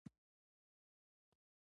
ما نه شو کولای داسې ژر ستا نوم په ژبه راوړم.